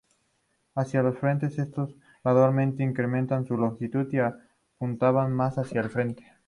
Hacia el frente estos gradualmente incremento su longitud y apuntaban más hacia el frente.